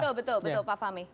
betul betul pak fahmi